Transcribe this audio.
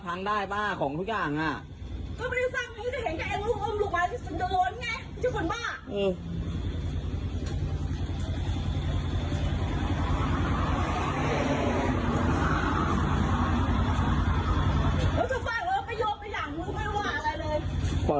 มันเป็นป้าของฝ่าของมัน